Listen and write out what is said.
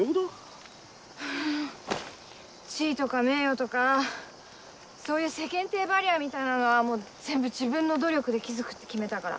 はぁ地位とか名誉とかそういう世間体バリアみたいなのはもう全部自分の努力で築くって決めたから。